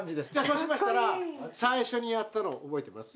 そうしましたら最初にやったの覚えてます？